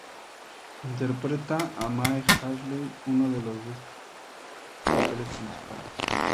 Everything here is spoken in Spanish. Interpreta a Mae Hartley, uno de los dos papeles principales.